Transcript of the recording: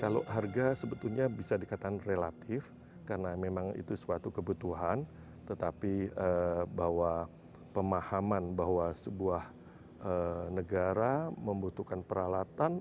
kalau harga sebetulnya bisa dikatakan relatif karena memang itu suatu kebutuhan tetapi bahwa pemahaman bahwa sebuah negara membutuhkan peralatan